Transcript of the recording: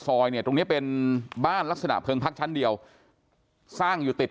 ซอยเนี่ยตรงเนี้ยเป็นบ้านลักษณะเพลิงพักชั้นเดียวสร้างอยู่ติด